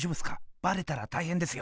バレたら大へんですよ。